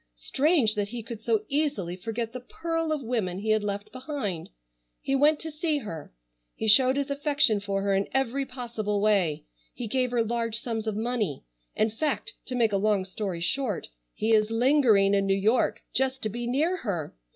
Strange that he could so easily forget the pearl of women he had left behind! He went to see her. He showed his affection for her in every possible way. He gave her large sums of money. In fact, to make a long story short, he is lingering in New York just to be near her.